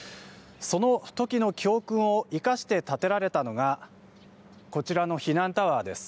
その時の教訓を生かして建てられたのがこちらの避難タワーです。